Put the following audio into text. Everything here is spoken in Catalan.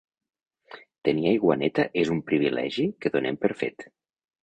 Tenir aigua neta és un privilegi que donem per fet.